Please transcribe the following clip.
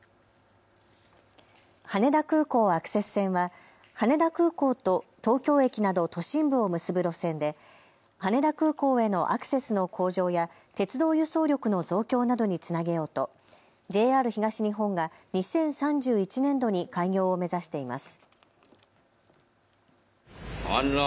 羽田空港アクセス線は羽田空港と東京駅など都心部を結ぶ路線で羽田空港へのアクセスの向上や鉄道輸送力の増強などにつなげようとＪＲ東日本が２０３１年度に開業を目指しています。